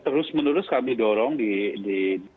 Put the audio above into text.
itu terus menerus kami dorong di dalam perusahaan ini ya